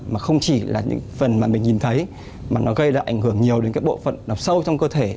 mà không chỉ là những phần mà mình nhìn thấy mà nó gây ra ảnh hưởng nhiều đến cái bộ phận nằm sâu trong cơ thể